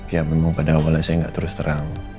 ya memang pada awalnya saya nggak terus terang